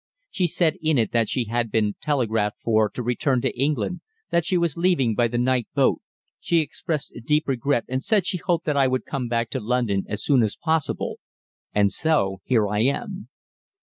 She said in it that she had been telegraphed for to return to England, that she was leaving by the night boat. She expressed deep regret, and said she hoped that I would come back to London as soon as possible and so here I am."